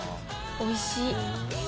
おいしい。